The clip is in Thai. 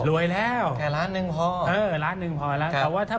แล้วแค่ล้านหนึ่งพอเออล้านหนึ่งพอแล้วแต่ว่าถ้า